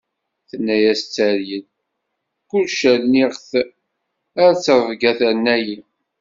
Tenna-as tteryel: "Kullec rniɣ-t, ar ttṛebga terna-yi."